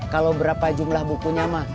kalau berapa jumlah bukunya mak